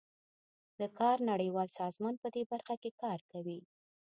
د کار نړیوال سازمان پدې برخه کې کار کوي